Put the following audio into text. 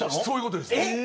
そういうことです。